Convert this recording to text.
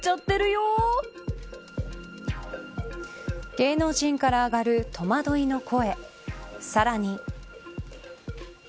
芸能人から上がる戸惑いの声。